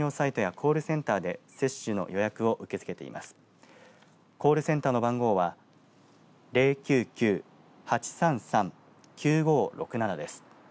コールセンターの番号は０９９−８３３−９５６７です。